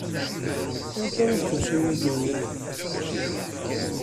Anta ay d tasiwant-nnem?